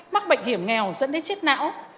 mắc bệnh hiểm nghèo dẫn đến chết não